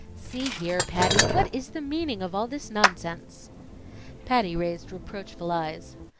"See here, Patty, what is the meaning of all this nonsense?" Patty raised reproachful eyes.